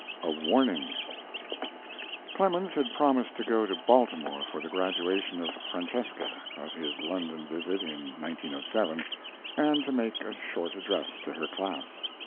A WARNING Clemens had promised to go to Baltimore for the graduation of "Francesca" of his London visit in 1907 and to make a short address to her class.